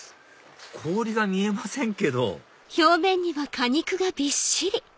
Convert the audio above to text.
氷が見えませんけどほう！